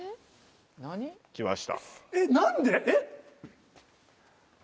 来ました。